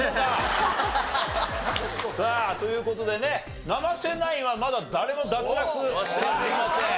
さあという事でね生瀬ナインはまだ誰も脱落しておりません。